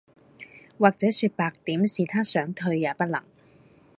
或者說白點是他想退也不能